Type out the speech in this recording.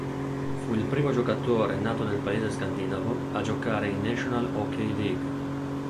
Fu il primo giocatore nato nel paese scandinavo a giocare in National Hockey League.